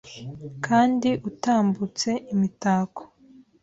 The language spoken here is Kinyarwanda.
Kandi utambutse imitako ?